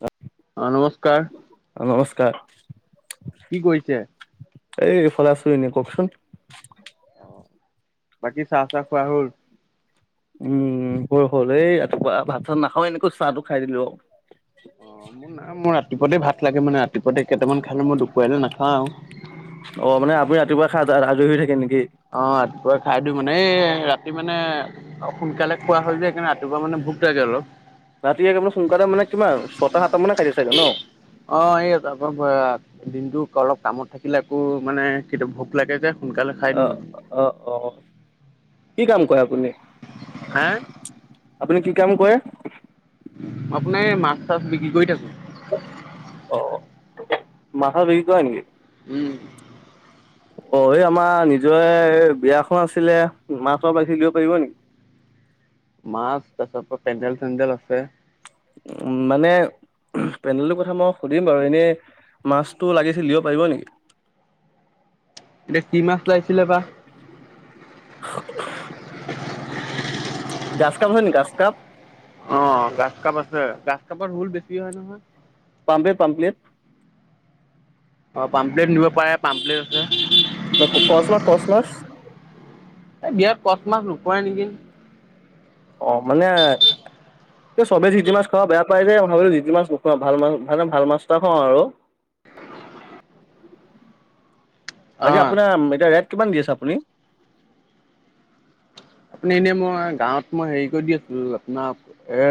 অ অ নমস্কাৰ অ নমস্কাৰ কি কৰিছে এইফালে আছো এনেই কওকচোন বাকী চাহ তাহ খোৱা হল উম বৰ হ'ল এই ৰাতিপুৱা ভাত চাত নাখাওঁ এনেকৈ চাহটো খাই দিলো আৰু অ মোৰ না মোৰ ৰাতিপুৱাতে ভাত লাগে মানে ৰাতিপুৱা কেইটামান খালে মই দুপৰিৱালৈ নাখাওঁ আৰু অ মানে আপোনি ৰাতিপুৱা খাজ অ ৰাতিপুৱায় খাই দিওঁ মানে এই ৰাতি মানে সোনকালে খোৱা হল যে সেইকাৰণে ৰাতিপুৱা মানে ভোক লাগে অলপ ৰাতি সোনকালে মানে কিমান ছয়টা সাতটা মানে খাই দিয়ে চাগে ন দিনটোক অলপ কামত থাকিলে আকৌ মানে কেতিয়া ভোক লাগে যে সোনকালে খাই অ দিওঁ মানে অ অ কি কাম কৰে আপুনি হে আপুনি কি কাম কৰে আপোনাৰ এই মাছ চাছ বিক্ৰী কৰি থাকো মাঠা বিকি কৰে নেকি উম অ এই আমাৰ নিজৰে বিয়াখন আছিলে মাছৰ মাখি লিব পাৰিব নেকি মাছ তাৰ পিছত পেণ্ডেল চেন্দে আছে উ মানে পেডেলটোৰ কথা মই সুধিম বাৰু এনেই মাছটো লাগিছিল দিব পাৰিব নেকি এতিয়া কি মাছ লৈ আহিছিলে বা গাছ কাপ আছে নেকি গাছ কাপ ম ভোল বেছি হয় নহয় পাম্পে পাম্পলে অ পাম্পেট নি উপায়ে পামলে আছে কচ মাছ কচ মাছ এই বিয়াত কচ মাছ নুখোৱাই নেকি অ' মানে চবে জিটি মাছ খাব বেয়া পাই যে, ভাবিলো যে জিটি মাছ নুখুৱাওঁ ভাল মাছ ভাল মানে ভাল মাছ এটা খুৱাওঁ আৰু। [unintelligible] বাকী আপোনাৰ এতিয়া ৰেট কিমান দি আছে আপুনি? আপুনি এনেই মই গাঁৱত মই হেৰি কৰি দি আছিলো আপোনাৰ এ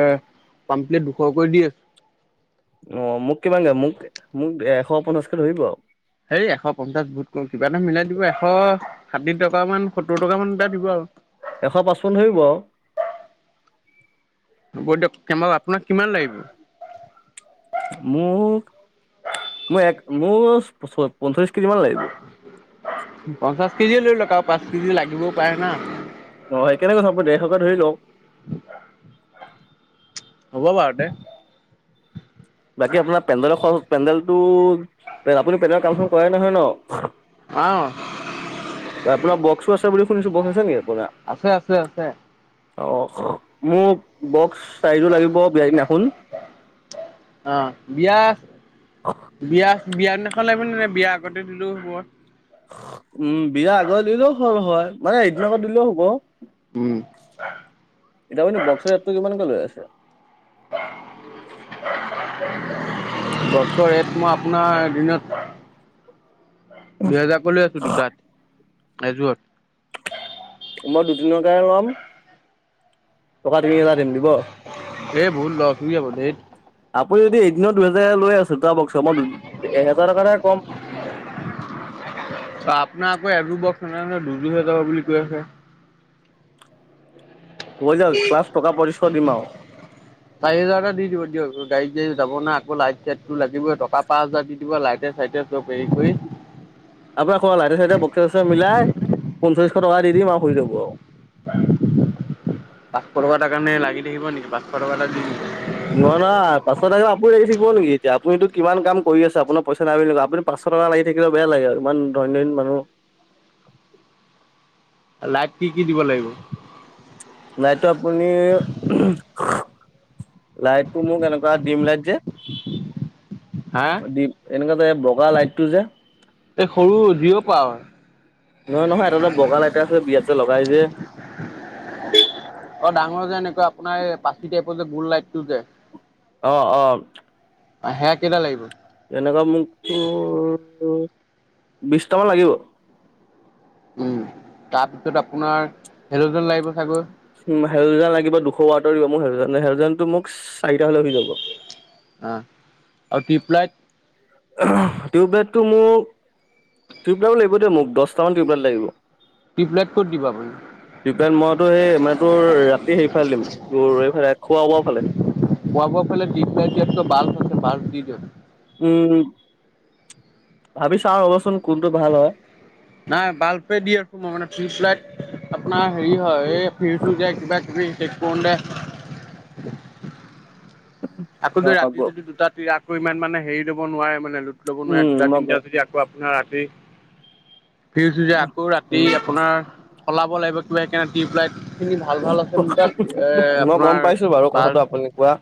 পামপ্লেত দু শকৈ দি আছো। অ' মোক কিমানকৈ মোক মোক এশ পঞ্চাছকে ধৰিব আৰু। সেই এশ পঞ্চাশ বহুত ক'ম, কিবা এটা মিলাই দিব। এশ ষাঠি টকামান সত্তৰ টকামান এটা দিব আৰু। এশ পাচপন্ন ধৰিব আৰু। হব দিয়ক। কেম মোক মই এক মোৰ প পঞ্চলিছ পঞ্চাশ কেজিয়ে লৈ লওঁক আৰু পাঁচ কেজি লাগিবওঁ পাৰে না। অ' সেই কাৰনে কৈছো আপুনি দেৰশকে ধৰি লওঁক। হ'ব বাৰু তে। বাকী আপোনাৰ পেণ্ডেলৰ খৰচ পেণ্ডেল টো আপুনি পেণ্ডেলৰ কাম চাম কৰে নহয় ন? অ আপোনাৰ বক্সো আছে বুলি শুনিছো বক্স আছে নে আপোনাৰ? আছে আছে আছে অ' মোক বক্স চাৰিযোৰ লাগিব বিয়াৰ দিনাখোন অঁ বিয়া বিয়া বিয়া দিনাখন লাগিব নে নাই বিয়া আগতে দিলেও হ'ব? উম বিয়াৰ আগত দিলেওঁ হ'ল হয় মানে এদিনৰ আগত দিলেওঁ হ'ব। উম এতিয়া আপুনি বক্সৰ ৰেটটো কিমানকৈ লৈ আছে? বক্সৰ ৰেট মই আপোনাৰ দিনত দুহেজাৰ কৈ লৈ আছো দুটাত, এযোৰত। মই দুদিনৰ কাৰণে ল'ম টকা তিনি হাজাৰ দিম দিব? এই বহুত লষ্ট হুই যাব ধেৎ। আপুনি যদি এদিনৰ দুহেজাৰ লৈ আছে দুটা বক্সত, মই এহেজাৰ টকাৰ কম আপোনাৰ আকৌ এযোৰ বক্স নাযাই নহয় দুযোৰ হ যাব বুলি কৈ আছে। হৈ যাব, লাষ্ট টকা পচিচশ দিম আৰু। চাৰি হাজাৰ এটা দি দিব দিয়ক। গাড়ী গাড়ী যাব না আকৌ, লাইট চাইট টো লাগিব, টকা পাঁচ হাজাৰ দি দিব লাইটে চাইটে চব হেৰি কৰি [unintelligible] আপোনাৰ ক লাইটে চাইটে বক্সে চক্সে মিলাই পঞ্চলিশ টকা দি দিম আৰু হুই যাব। উ [unintelligible] পাঁচ শ টকা এটা কাৰণে লাগি থাকিব নেকি। পাচ শ টকা এ নহয় না পাচ আপুনি লাগি থাক নেক এতিয়া আপুনো আপুনি কিমান কাম কৰি আপোনাৰ পইচা নাই বুলি আপু পাঁশ টকা লাগ থাকিলে বেয়া লাগে আৰু। ইমান ধনী ধনী মানুহ। লাইট কি কি দিব লাগিব? লাইটটো আপুনি লাইটটো মোক এনেকুৱা দিম লাইট যে হা দিম, এনেকুৱা যে বগা লাইটটো যে এই সৰু জিৰ' পাৱৰ নহয় নহয় এটা এটা বগা লাইট এটা আছে বিয়াত যে লগাই যে অ' ডাঙৰ যে এনেকা আপোনাৰ এই পাচি টাইপৰ যে গোল লাইটটো যে অ' অ' অ' সেয়া কেইটা লাগিব? এনেকুৱা মোকো বিশটামান লাগিব। উম, তাৰপিছত আপোনাৰ হেলজিন লাগিব চাগৈ। উ, হেলজান লাগিব দুশ ৱাৰটৰ দিব মোৰ হেলজান, হেলজানটো মোক চাৰিটা হলে হৈ যাব। আহ আৰু পিপলাইট টিউব লাইট টো মোক টিউব লাই লাগিব দে মোক দহট মান টিউব লাইট লাগিব। টিপলোইট ক'ত দিবা বুলি সপ মইতো সেই মানে তোৰ ৰাতি সেৰিফালে দিম তোৰ এইফালে খোৱা, বোৱা ফালে পোৱাাব বাল আছে। উম, ভাবিছা আৰু ৰ'বচোন কোনটো ভাল হয়। নাই বাল্পে দিই মানে ফ্ল লাইট আপোনাৰ হেৰি হয় এই ফিৰছো যে কিবা, কিবি শেষ কৰো দে। আকৌ য ৰাতি অ' যদি দুটা, তি আকৌ ইমান মানে হেৰি লবোৱাৰে মানে লুট লব নোৱাৰে উম, দুটা, মই তিনিটা যদি আকৌ ৰাতি ফছো যে আকৌ ৰাতি উম। আপোনাৰ সলাব লাগিবিব দি পেলাই মই গম পাইছো বাৰু কথাটো বাল্ব আপুনি কোৱা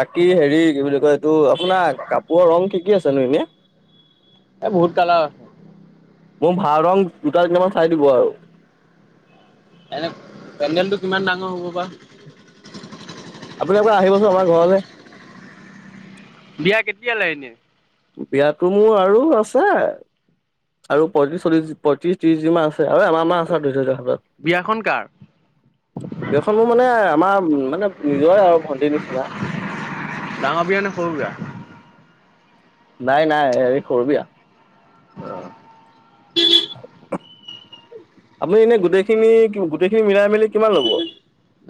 বাক কি হেৰি কি বুলি কয় এইটো আপোনাৰ কাপোৰৰ ৰং কি, কি, আছেনো এনেই এ, বহুত কালা আছে। মোৰ ভাল ৰং জোটা কেইটামান চাই দিব আৰু ম, পেণ্ডেলটো কিমান ডাঙৰ হ'ব বাৰ আপুনি আবৌ আহিবচোন আমাৰ ঘৰলে বিয়া কেতিয়ালৈ এনে বিয়াতো মোৰ আৰু আছে আৰু পয়ত্ৰিশ, চল্লিশ, পঁয়ত্ৰিশ, ত্ৰিশিমান আছে। আৰু আমাৰমাহ আছে দুই হাজত বিয়াখন কাৰ বিয়খন মোৰ মানে আমাৰ মানে নিজৰে আৰু ভণ্টিৰ নিচিনা ডাঙৰ বিয়া নে সৰু বিয়া? নাই, নাই হেৰি কৰবি অ'। আপুনি এনে গোটেইখিনি, গোটেইখিনি মিলাই মেলি কিমান ল'ব।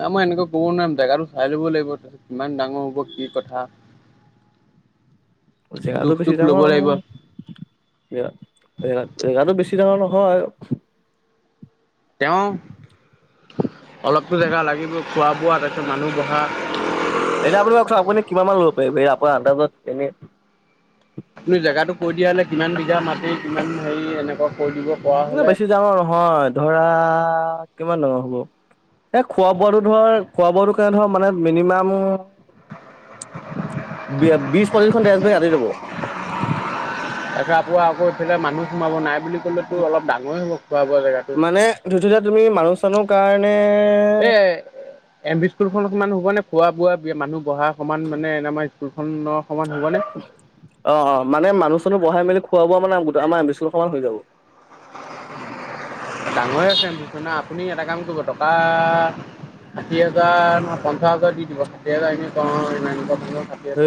নাই মই এনেকুৱা কব নোৱাৰিম জেগাতটো চাই ল'ব লাগিব তাৰপিছত কিমান ডাঙৰ হব কি কথা [inaudible] জেগাতটো জোখ বেছি চোখ ল'ব ডাঙৰ লাগিব নহয় জ, জেগাতটো বেছি বেচি ডাঙৰ নহয়। তেওঁৱ অলপতো জেগা লাগিব খোৱা, বোৱা তাৰিছত মানুহ বহা এনে আপুনি কওকচোন আপুনি কিমান মান ল'ব পাৰিব আপোনাৰ আত এনেই আপুনি জেগাতটো কৈ দিয়া হলে কিমান বিঘা মাটি কিমান হেৰি এনেকুৱা কৈ দিব পৰা উ, হ'লে বেছি যাম আৰু নহয় ধৰা কিমান ডাঙৰ হ'ব এ, খোৱা, বোৱাটো ধৰ খোৱা, বোৱাটো কেনে ধৰ মানে মিনিমাম বিশ, পঁচিছ ঘ কাটি দাব। এখাৰ পোৱা আকৌ এইফালে মানুহ সোমাব নাই বুলি ক'লেতো অলপ ডাঙৰেই হ'ব। খোৱা বোৱা জেগাটো মানে ধটোতি তুমি মানুহ চানহ কাৰণে এ, এম বি স্কুলখনত কিমান হ'ব নে। খোৱা, বোৱা বি মানুহ বঢহা অকণমান মানে এনে আমাৰ স্কুলখনৰ সমান হ'বনে অ', অ', মানে মানুহ চনো বহাই মেলি খোৱা, বোৱা মানে আমাৰ বিশছ ক মান হৈ যাব। হৈ আছে বিশনা আপুনি এটা কাম কৰিব টকা ষাঠি হাজাৰ, ম, পঞ্চা হাজাৰ দি দিব ষাঠি হাজাৰ এনে এ,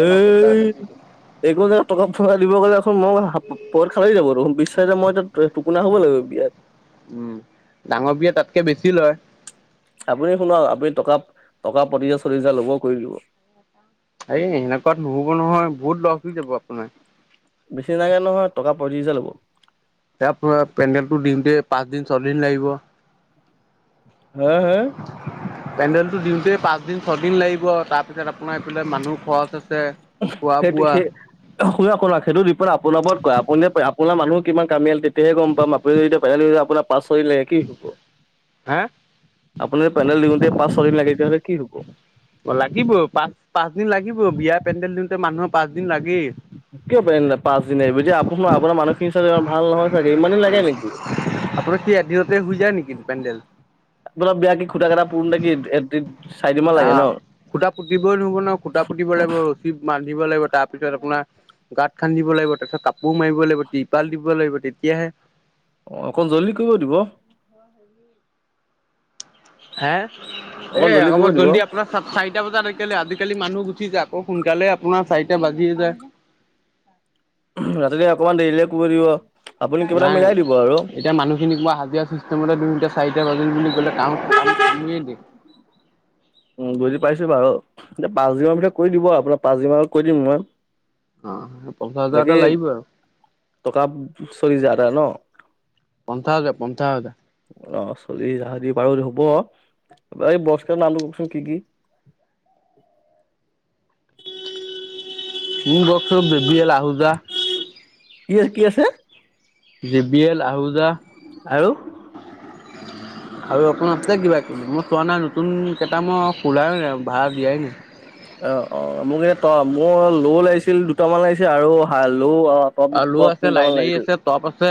একো যে টকা পৰা দিব গ'লে। মই পৰত খালি যাব বিশ্ব মই এ, টোপোনা হ'ব লাগিব বিয়াত উম, ডাঙৰ বিয়া তাতকে বেছি লয়। আপুনি শুনাক আপুনি টকা, টকা, পঁচিছ হাজাৰ, চল্লিশ হাজাৰ ল'ব কৰি দিব। এই সেনেকুৱাত নহ'ব নহয়, বহুত লছ হৈ যাব আপোনাৰ। বা ৰিজা ল'ব। তাত পোৰা পেণ্ডেলটো দিওঁতে পাঁচদিন, ছয়দিন লাগিব। হয় হয়। কি পাঁচদিন, ছদিন লাগিব, তাৰপিছত আপোনাৰ এইফালে মানুহ খৰচ আছে। খোৱা সেইটো বোৱা সেই-শুনক শুনক সেইটো ডীপেণ্ড আপোনাৰ ওপৰত কৰে, আপুনি আপোনাৰ মানুহ কিমান কামিয়াল তেতিয়াহে গম পাম, আপুনি যেতিয়া কাইলৈ আপোনাৰ পাছ হৈলে কি হ'ব, হা আপোনাৰ পেনেল দিওঁতে পাঁচ ছয়দিন লাগে তেতিয়াহ'লে কি হ'ব? অ' লাগিব পাঁচ-পাঁচদিন লাগিব, বিয়া পেণ্ডেল দিওঁতে মানুহৰ পাঁচদিন লাগি কিয় পেনেল পাঁচদিন লাগিব, দিয়া আপোনাৰ মানুহখিনি ছাগে ইমান ভাল নহয় চাগে, ইমান দিন লাগে নেকি। আপোনাৰ কি এদিনতে হৈ যায় নেকি পেণ্ডেল? তুন্তে কি এদ-এদ দিন আ, খুঁটা পুতিবই নহ'ব ন' খুঁটা পুতিব লাগিব, ৰছীত বান দিব লাগিব তাৰপিছত আপোনাৰ গাঁত খান্দিব লাগিব, তাৰপিছত কাপোৰ মাৰিব লাগিব, তিপাল দিব লাগিব তেতিয়াহে অ' অকণ জল্দি কৰিব দিব। হে, এ, অকণ কৰিব অকন দিব জল্দি আপোনাৰ চাৰিটা বজাত একে আজিকালি মানুহ গুচি যায় আকৌ সোন তেতিয়াহ'লে আপোনাৰ চাৰিটা বাজিয়ে যায়। ৰাতিলে অকমান দেৰিলে কৰিব দিব। আপুনি কিবা এটা নাই, মিলাই দিব আৰু এতিয়া মানুহখিনি কিবা হাজিৰা চিষ্টেমতে দিওঁতে চাৰিটা বাজিল বুলি ক'লে। কাম ভাঙিয়ে দে। উ, বুজি পাইছোঁ বাৰু। এ, পাঁচদিনতে কৰি দিব আৰু আপোনাৰ পাঁচদিন আগত কৈ দিম মই। অ পঞ্চাছ হাজাৰ এটা বাকী লাগিব আৰু টকা চলি যায় আদা ন'। পঞ্চাছ হাজাৰ, পঞ্চাছ হাজাৰ। অ' চলি হাজাৰ দিব পাৰে যদি হ'ব। বাকি বস্তু নানো। চ কিদি? মোৰ বক চব দিম। কি হ'ল, কি আছে? J B L, Ahuja. আৰু? আৰু অকোন আছে কিবা কিবি, মই চোৱা নাই নতুনকেইটা মই খোলায়ু নাই। ভাৰাত দিয়াই নাই। অ', অ' মোক এ, ত' মোৰ লৌ লাগিছিল দুটামান লাগিছিল আৰু হাল। হেল্ল' অ' টপ আৰু ল' টপ আছে তিনিটামান লাইনাৰী লাগিছিল। আছে টপ আছে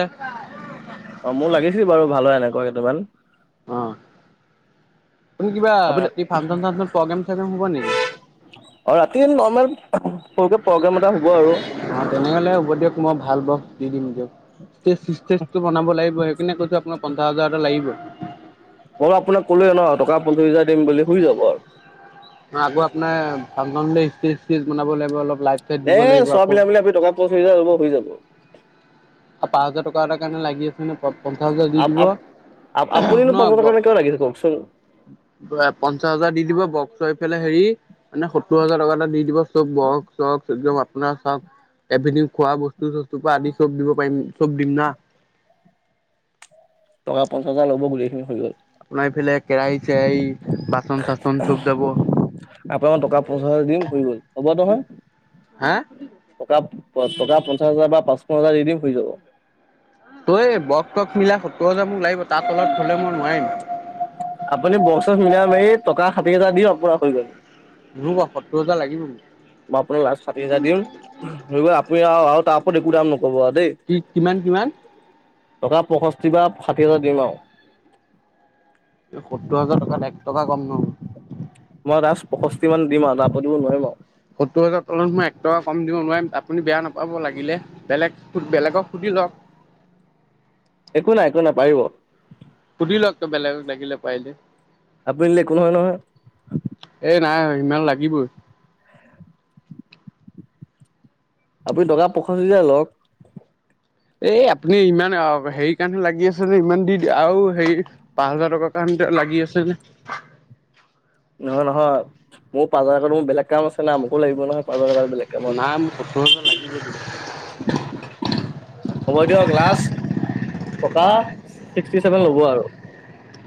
অ' মোক লাগিছিল বাৰু ভাল হয় এনেকুৱা কেইটামান। অ'। হেইটো কিবা আপুনি ৰাতি ফাংচন চাংচন, প্ৰগ্ৰেম চগ্ৰেম হ'ব নেকি? এ, নৰ্মেল সৰুকে প্ৰগ্ৰাম এটা হ'ব আৰু। অ' তেনেহ'লে হ'ব দিয়ক মই ভাল বক্স দি দিম দিয়ক। ষ্টেজ চিষ্টেজটো বনাব লাগিব সেইকাৰিনে কৈছোঁ আপোনাক পঞ্চাছ হাজাৰ এটা লাগিবই। মই আপোনাক ক'লোৱে ন' টকা পঞ্চাছ হাজাৰ দিম বুলি হৈ যাব আৰু। আকৌ আপোনাৰ ফাংচন বা ষ্টেজ চেজ বনাব লাগিব অলপ। লাইট চাইট এ, দিব লাগিব চোৱা আকৌ। মিলা মিলা আমি টকা পঁচিছ হাজাৰৰ ভিতৰত হৈ যাব। পাঁচ হাজাৰ টকা এটা কাৰণ লাগি আছ নে। পঞ্চাছ হাজাৰ দি আপ দিব। আপ আপুনিনো শুনক পঞ্চাছ হাজাৰ কাৰণে কিয় লাগিছে কওকচোন? এক পঞ্চাশ হাজাৰ দি দিব বক চক হৈ পেলাই হেৰি মানে সত্তৰ হাজাৰ টকা এটা দি দিব। চব বক চক একদম আপোনাৰ চাওক এভেনিও খোৱা বস্তু চস্তুৰপা আদি চব দিব পাৰিম, চব দিম না। [unintelligible] আপোনাৰ এইফালে কেৰাহী চে এই আপোনাক টকা পঞ্চাচ হাজাৰ দিম, সুই গ'ল, হ'ব নহয়। হা। টকা টকা পঞ্চাশ হাজাৰ বা পাঁচপোন হাজাৰ দি দিম, হৈ যাব। তই, বক তক মিলাই, সত্তৰ হাজাৰ মোক লাগিব। তা তলত হলে, মই নোৱাৰিম। এই, টকা ষাঠি হেজাৰ দি অপৰাধ হৈ গ'ল। নু ব' সত্তৰ হাজাৰ লাগিব মোক। মই আপোনাৰ, লাষ্ট ষাঠি হেজাৰ দিম, হৈ গ'ল আপুনি আৰু-আৰু, তাৰ ওপৰত একো দাম নকব' আৰু দেই। কি কিমান কিমান? টকা পয়ষ্ঠি বা ষাঠি হাজাৰ দিম, আৰু। এই সত্তৰ হাজাৰ টকাত এক টকা কম নহব। মই লা পয়ষষ্ঠি মান দিম আৰু, তা ওপৰত মই নোৱাৰিম আৰু। সত্তৰ হাজাৰ তলত মই এক টকা কম দিব নোৱাৰিম, আপুনি বেয়া নাপাব লাগিলে, বেলেগ বেলেগক সুধি লওক। একো নাই, একো নাই, পাৰিব। [unintelligible] বেলেগ লাগিলে পাৰিলে। আপুনি দিলে একো নহয়-নহয়। এ নাই, ইমান লাগিবই। আপুনি, টকা পয়ষষ্ঠি হেজাৰ লওক। এই আপুনি ইমান, হেৰি কাৰনে লাগি আছে নে ইমান দি দ আৰু হেৰি, পাঁচ হাজাৰ টকাৰ কাৰণে লাগি আছে নে। নহয়, নহয়, মোৰ পাঁচ হাজাৰ মোৰ বেলেগ কাম আছে না মোৰ। থব লাগিব নহয়, পাচ হাজাৰটো বেলেগ নাই মোক সত্তৰ হাজাৰ লাগিবই কামত। হ'ব দিয়ক, লাষ্ট টকা ছিক্সটি চেভেন, ল'ব আৰু।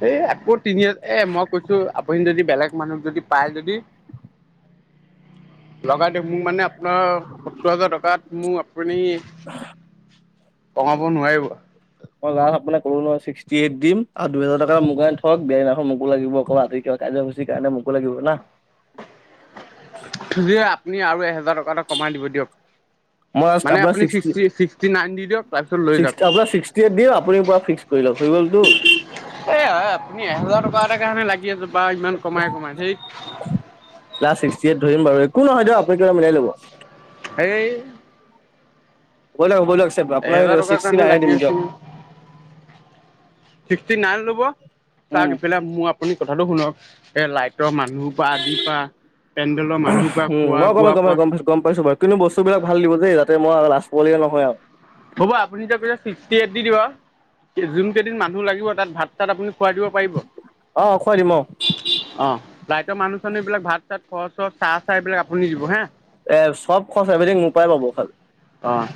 এই আকৌ তিনি এ মই কৈছো আপুনি যদি বেলেগ মানুহক যদি পায় যদি লগাই দিয়ক মোক মানে আপোনাৰ সত্তৰ হাজাৰ টকাত মো আপুনি কমাব নোৱাৰিব। মই লাষ্ট আপোনাক কলো নহয় ছিক্সটি এইট দিম। আৰু দুহেজাৰ টকা মোক কাৰনে থওক বিয়া দিনা মোকো লাগিব। আজিৰ কাৰণে মোক লাগিব না। যে আপুনি আৰু এহেজাৰ টকা এটা কমাই দিব দিয়ক। মই মানে আপুনি চিষ্টি-চিষ্টি নাইন দি দিয়ক তাৰপিছত লৈ চিক্চ যাওক আপোনাক, চিষ্টি এইট দিম, আপুনি পোৰা ফিক্স কৰি লওঁক, হৈ গ'ল টো। এ, আপুনি এহেজাৰ টকাৰ এটা কাৰণে লাগি আছে, বাৰু ইমান কমাই কমাই, ধেইত। লাষ্ট, ছিক্সটি এইট ধৰিম বাৰু, একো নহয় দিয়ক, আপুনি কিবা এটা মিলাই ল'ব। এই। বলক বলক [unintelligible] লক, আপোনাক এহেজাৰ টকাৰ চিক্সটি কাৰণে নাইনে লাগি দিম দিয়ক। চিষ্টি নাইন লব, উম চাক' ইফালে মোৰ, আপুনি কথাটো শুনক, এ লাইত ৰ, মানুহৰ পৰা আদি পা, পেণ্ডেলৰ মানুহৰ পৰা, উম খোৱা মই বোৱা গম গম পৰা গম পাইছো গম পাইছো বাৰু কিন্তু, বস্তুবিলাক ভাল দিব দেই, যাতে মই লাজ পাৱলগীয়া নহয় আৰু। হ'ব আপুনি যে, তাৰপে ছিষ্টিএইটি দি দিব। যোন কেইদিন মানুহ লাগিব, তাত ভাত চাত আপুনি খুৱাই দিব পাৰিব? অ খুৱাই দিম অ অ', লাইটৰ মানুহ চানুহ এইবিলাক ভাত চাত, খৰচ চৰচ, চাহ তাহ, এইবিলাক আপুনি দিব হা। এ চব খৰচ এভ্ৰিথিং মোৰ পৰাই পাব খালি অহ।